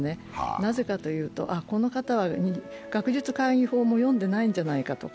なぜかというと、この方は学術会議法も読んでないんじゃないかとか